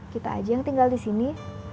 kita aja yang tinggal di sini